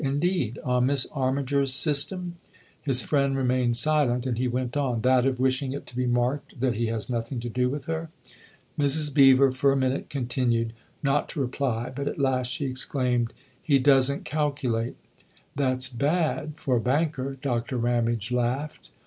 " Indeed ? On Miss Armi ger's system ?" His friend remained silent, and he went on :" That of wishing it to be marked that he has nothing to do with her ?" Mrs. Beever, for a minute, continued not to reply ; but at last she exclaimed :" He doesn't calculate !" "That's bad for a banker!" Doctor Ramage laughed.